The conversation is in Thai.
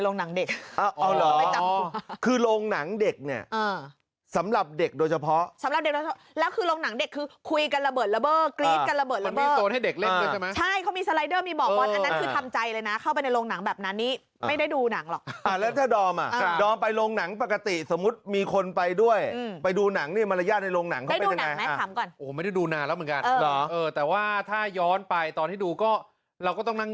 แล้วคือโรงหนังเด็กคือคุยกันระเบิดระเบิดกรี๊ดกันระเบิดระเบิดมีโซนให้เด็กเล่นใช่ไหมใช่เขามีสไลเดอร์มีหมอกบอลอันนั้นคือทำใจเลยนะเข้าไปในโรงหนังแบบนั้นนี้ไม่ได้ดูหนังหรอกแล้วถ้าดอมดอมไปโรงหนังปกติสมมติมีคนไปด้วยไปดูหนังนี่มารยาทในโรงหนังได้ดูหนังไหมถามก่อนไม่ได้ดูนานแล้วเหมือนกัน